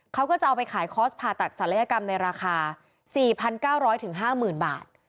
เขาก็จะเอาไปขายคอร์สผ่าตัดศัลยกรรมในราคา๔๙๐๐๕๐๐๐บาท